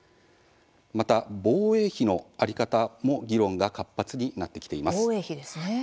また、防衛費の在り方も議論が活発になってきています。